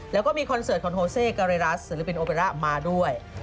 แล้วก็มีคอนเซิร์ตของโฮเซ่กาเรราสเสริฟินโอเปราะห์มาด้วย